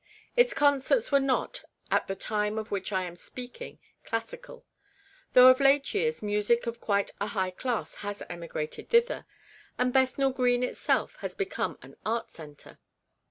Its concerts were not, at the time of which I am speaking, classical ; though of late years music of quite a high class has emigrated thither, and Bethnal Grreen itself has become an art centre.